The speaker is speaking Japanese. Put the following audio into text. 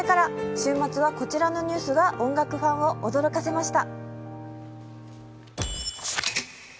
週末はこちらのニュースが音楽ファンを驚かせました。